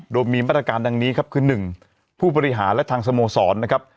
โดยมีมาตรการดังนี้ครับคือ๑ผู้บริหารและทางสโมสรนะครับ